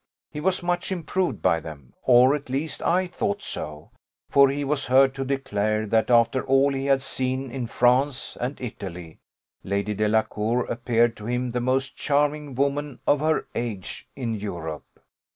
He was much improved by them, or at least I thought so; for he was heard to declare, that after all he had seen in France and Italy, Lady Delacour appeared to him the most charming woman, of her age, in Europe.